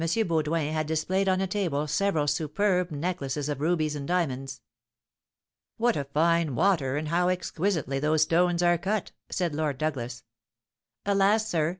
Baudoin had displayed on a table several superb necklaces of rubies and diamonds. "What a fine water, and how exquisitely those stones are cut!" said Lord Douglas. "Alas, sir!"